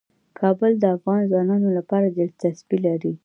کابل د افغان ځوانانو لپاره دلچسپي لري.